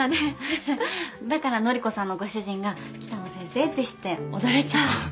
だから乃里子さんのご主人が北野先生って知って驚いちゃった